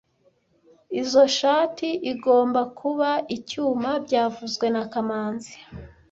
Izoi shati igomba kuba icyuma byavuzwe na kamanzi